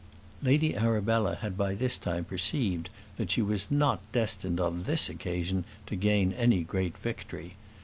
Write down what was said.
Lady Arabella had by this time perceived that she was not destined on this occasion to gain any great victory.